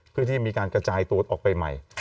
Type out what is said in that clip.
เพื่อที่มีการกระจายตัวออกไปใหม่